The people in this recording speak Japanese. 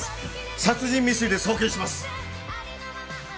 殺人未遂で送検します！